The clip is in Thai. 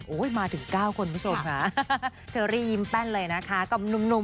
โอ้โหมาถึง๙คนคุณผู้ชมค่ะเชอรี่ยิ้มแป้นเลยนะคะกับหนุ่ม